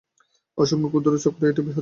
অসংখ্য ক্ষুদ্র চক্র একটি বৃহৎ চক্র তৈরি করে।